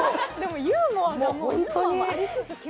ユーモアがありつつ。